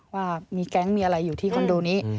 ว่ามีแก๊งมีอะไรอยู่ที่คอนโดนี้